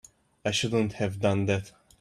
I shouldn't have done that.